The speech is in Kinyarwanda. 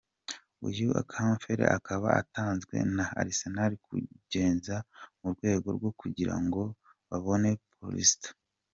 Uyu Campbell akaba atanzwe na Arsenal kunguzanyo murwego rwo kugira ngo babone Paulista.